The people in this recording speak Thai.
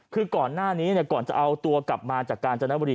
คือก่อนหน้านี้เนี่ยก่อนจะเอาตัวกลับมาจากการจรรยาบรี